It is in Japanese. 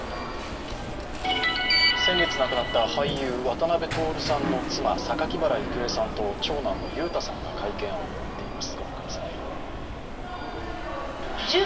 先月亡くなった俳優・渡辺徹さんの妻・榊原郁恵さんと長男の裕太さんが会見を行っています。